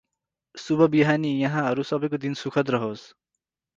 शुभ बिहानी, यहाहरु सबैको दिन सुखद रहोस् ।